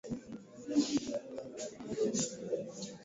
Wa mama wa mu kongo wana uzunika sana